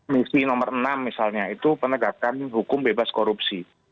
misi nomor enam misalnya itu penegakan hukum bebas korupsi